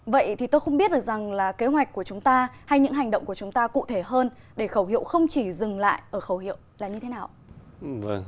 vậy thì tôi không biết được rằng là kế hoạch của chúng ta hay những hành động của chúng ta cụ thể hơn để khẩu hiệu không chỉ dừng lại ở khẩu hiệu là như thế nào ạ